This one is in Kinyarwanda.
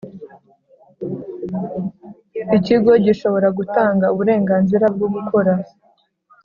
Ikigo gishobora gutanga uburenganzira bwo gukora